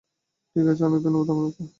ঠিক আছে, অনেক ধন্যবাদ আপনাকে।